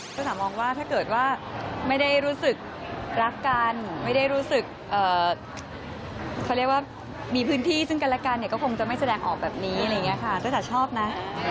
เจ้าจ๋ามองว่าถ้าเกิดว่าไม่ได้รู้สึกรักกันไม่ได้รู้สึกเขาเรียกว่ามีพื้นที่ซึ่งกันและกันเนี่ยก็คงจะไม่แสดงออกแบบนี้อะไรอย่างนี้ค่ะเจ้าจ๋าชอบนะ